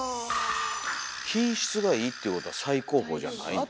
品質がいいってことは最高峰じゃないんですか？